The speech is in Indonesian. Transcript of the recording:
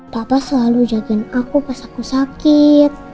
papa selalu jagain aku pas aku sakit